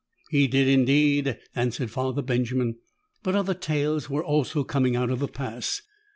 "He did indeed," answered Father Benjamin. "But other tales were also coming out of the Pass.